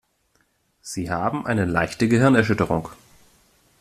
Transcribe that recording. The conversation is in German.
Sie haben eine leichte Gehirnerschütterung.